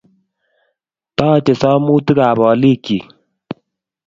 Toochei somutikab olikyik